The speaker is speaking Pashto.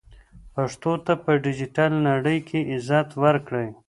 پښتو ته په ډیجیټل نړۍ کې عزت ورکړئ.